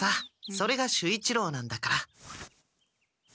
それが守一郎なんだから。